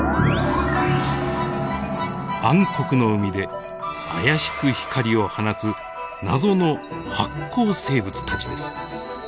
暗黒の海で妖しく光を放つ謎の発光生物たちです。